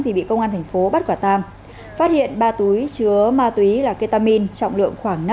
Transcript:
thì bị công an thành phố bắt quả tang phát hiện ba túy chứa ma túy là ketamin trọng lượng khoảng năm trăm linh gram